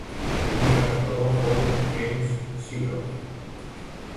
El primer recaptador fou James Seagrove.